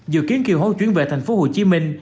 dự kiến kiều hối chuyển về thành phố hồ chí minh